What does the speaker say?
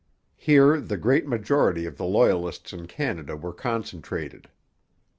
Here the great majority of the Loyalists in Canada were concentrated.